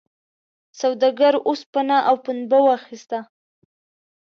سوداګر اوسپنه او پنبه واخیسته.